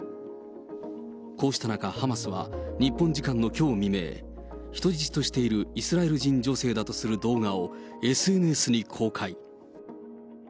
こうした中ハマスは、日本時間のきょう未明、人質としているイスラエル人女性だとする動画を、ＳＮＳに公開。